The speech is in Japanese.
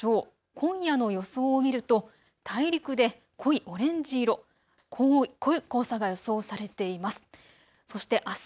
今夜の予想を見ると大陸で濃いオレンジ色、濃い黄砂が予想されています。